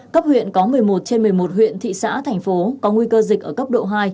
cấp huyện có một mươi một trên một mươi một huyện thị xã thành phố có nguy cơ dịch ở cấp độ hai